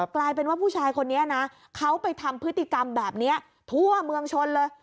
กลายเป็นว่าผู้ชายคนนี้นะเขาไปทำพฤติกรรมแบบนี้ทั่วเมืองชนเลย